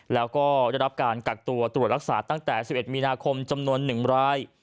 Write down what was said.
แล้วก็ได้รับการกักตัวตรวจรักษาตั้งแต่๑๑มีนาคมจำนวน๑ราย